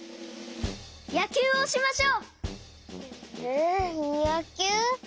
やきゅうをしましょう！えやきゅう？